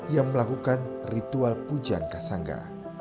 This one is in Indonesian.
yang melakukan ritual pujan kasangga